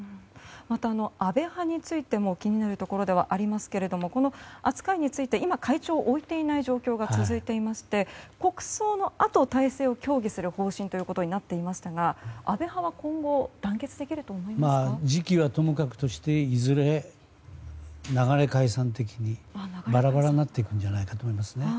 また、安倍派についても気になるところではありますがこの扱いについて今、会長を置いていない状況が続いていまして国葬のあと体制を協議する方針となっていましたが安倍派は今後、団結できると時期はともかくとしていずれ、流れ解散的にバラバラになっていくんじゃないかと思いますね。